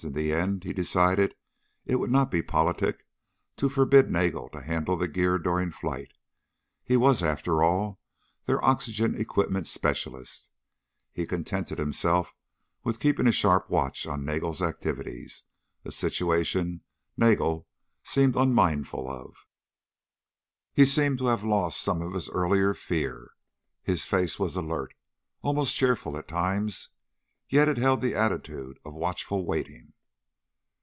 In the end he decided it would not be politic to forbid Nagel to handle the gear during flight. He was, after all, their oxygen equipment specialist. He contented himself with keeping a sharp watch on Nagel's activities a situation Nagel seemed unmindful of. He seemed to have lost some of his earlier fear. His face was alert, almost cheerful at times; yet it held the attitude of watchful waiting.